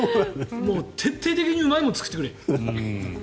徹底的にうまいものを作ってくれ。